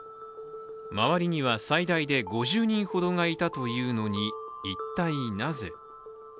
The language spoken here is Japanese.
周りには最大で５０人ほどがいたというのに、一体なぜ。